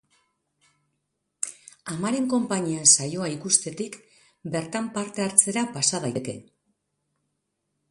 Amaren konpainian saioa ikustetik bertan parte hartzera pasa daiteke.